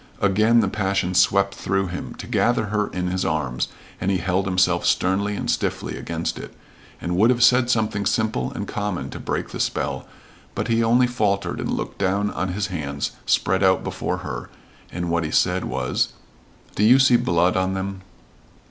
Again the passion swept through him, to gather her in his arms, and he held himself sternly and stiffly against it, and would have said something simple and common to break the spell, but he only faltered and looked down on his hands spread out before her, and what he said was: "Do you see blood on them?"